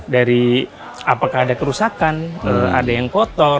dari apakah ada kerusakan ada yang kotor ada yang perlu diperhatikan